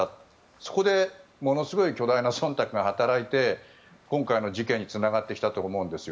そこで、ものすごい巨大なそんたくが働いて今回の事件につながってきたと思うんですよ。